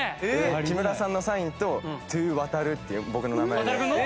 木村さんのサインと「Ｔｏ渉」っていう僕の名前で。